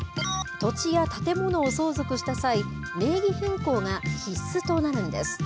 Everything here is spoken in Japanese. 土地や建物を相続した際、名義変更が必須となるんです。